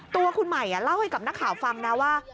ตัวคุณใหม่เล่าให้กับนักข่าวฟังนะว่า